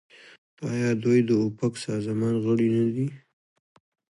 آیا دوی د اوپک سازمان غړي نه دي؟